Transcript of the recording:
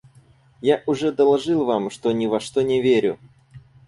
Я уже доложил вам, что ни во что не верю.